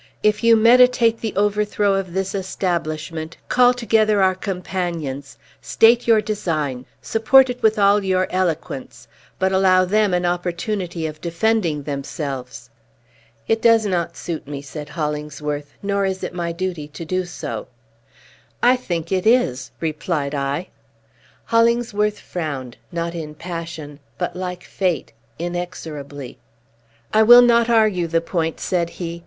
If you meditate the overthrow of this establishment, call together our companions, state your design, support it with all your eloquence, but allow them an opportunity of defending themselves." "It does not suit me," said Hollingsworth. "Nor is it my duty to do so." "I think it is," replied I. Hollingsworth frowned; not in passion, but, like fate, inexorably. "I will not argue the point," said he.